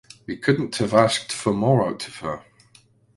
We couldn’t have asked for more out of her.